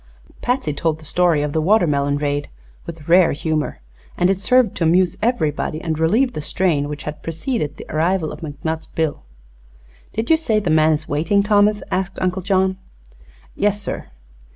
Patsy told the story of the watermelon raid with rare humor, and it served to amuse everybody and relieve the strain that had preceded the arrival of McNutt's bill. "Did you say the man is waiting, Thomas?" asked Uncle John. "Yes, sir."